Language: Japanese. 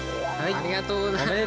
ありがとうございます。